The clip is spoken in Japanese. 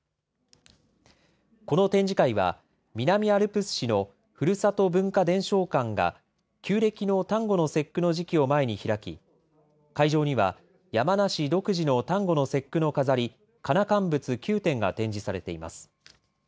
この展示会は、南アルプス市のふるさと文化伝承館が、旧暦の端午の節句の時期を前に開き、会場には山梨独自の端午の節句の飾り、かなかんぶつ９点が展示されています。